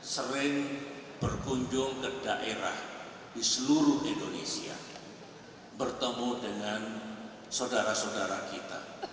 sering berkunjung ke daerah di seluruh indonesia bertemu dengan saudara saudara kita